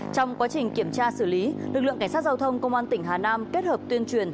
trong quá trình kiểm tra xử lý lực lượng cảnh sát giao thông công an tỉnh hà nam kết hợp tuyên truyền